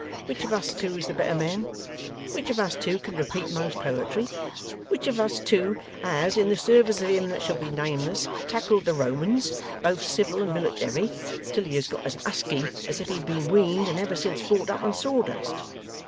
Which of us two is the better man? Which of us two can repeat most poetry? Which of us two has, in the service of him that shall be nameless, tackled the Romans, both civil and military, till he has got as husky as if he'd been weaned and ever since brought up on sawdust?